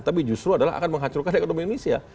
tapi justru adalah akan menghancurkan ekonomi indonesia